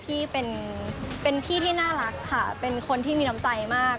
พี่เป็นพี่ที่น่ารักค่ะเป็นคนที่มีน้ำใจมาก